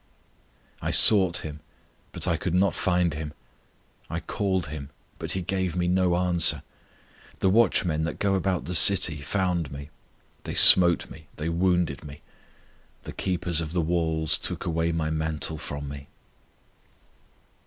I sought Him, but I could not find Him; I called Him, but He gave me no answer. The watchmen that go about the city found me, They smote me, they wounded me; The keepers of the walls took away my mantle from me.